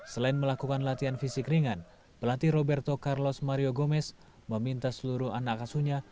selain melakukan latihan fisik ringan pelatih roberto carlos mario gomez meminta seluruh anak asuhnya